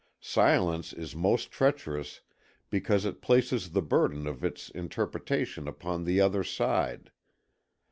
Silence is most treacherous because it places the burden of its interpretation upon the other side.